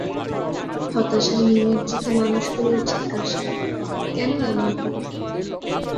হতাশায় নিমজ্জিত মানুষগুলোর জিজ্ঞাসা, কেন এমন হলো।